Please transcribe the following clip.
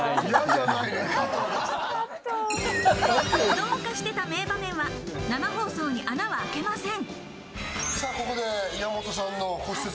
どうかしてた名場面は生放送に穴はあけません！